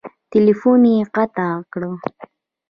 ټیلیفون یې قطع کړ !